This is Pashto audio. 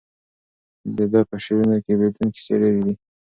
د ده په شعرونو کې د بېلتون کیسې ډېرې دي.